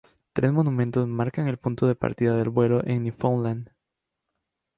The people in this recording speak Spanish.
Tres monumentos marcan el punto de partida del vuelo en Newfoundland.